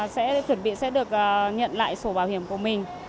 sẽ chuẩn bị sẽ được nhận lại sổ bảo hiểm của mình